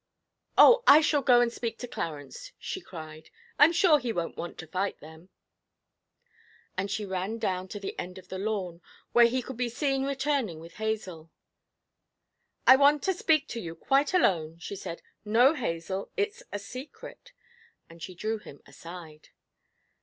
'Oh, I shall go and speak to Clarence,' she cried. 'I'm sure he won't want to fight them.' And she ran down to the end of the lawn, where he could be seen returning with Hazel. 'I want to speak to you quite alone,' she said. 'No, Hazel, it's a secret,' and she drew him aside.